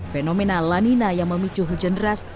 fenomena lanina yang memicu hujan deras